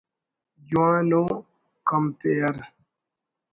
جوان ءُ کمپیئر